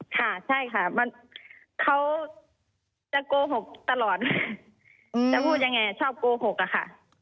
ค่ะใช่ค่ะเขาจะโกหกตลอดจะพูดยังไงชอบโกหกอะค่ะ